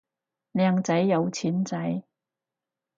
靚仔有錢仔